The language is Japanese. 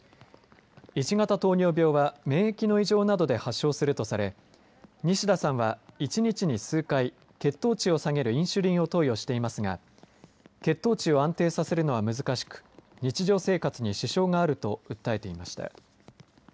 １型糖尿病は免疫の異常などで発症するとされ西田さんは、１日に数回血糖値を下げるインシュリンを投与していますが血糖値を安定させるのは難しく日常生活に支障があると訴えていました。